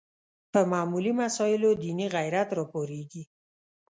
په معمولي مسایلو دیني غیرت راپارېږي